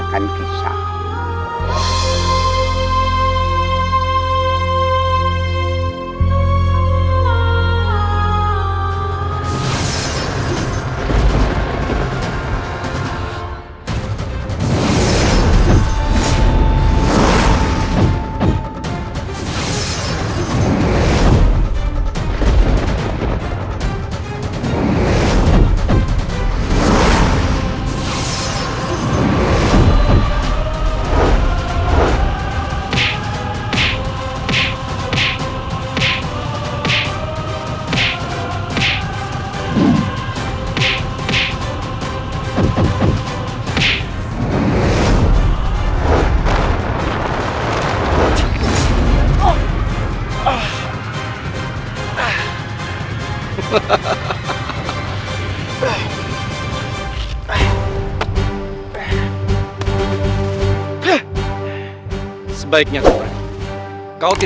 nanti akan paham penguin